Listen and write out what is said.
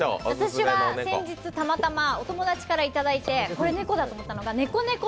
私は先日、たまたまお友達から頂いて、これ、猫だと思ったのがね